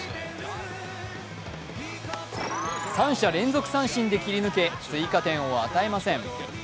３者連続三振で切り抜け、追加点を与えません。